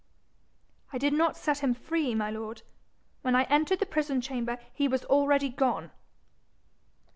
'I did not set him free, my lord. When I entered the prison chamber, he was already gone.'